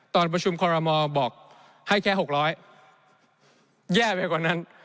ตอนประชุมคอรมอลบอกให้แค่๖๐๐แย่ไปกว่านั้น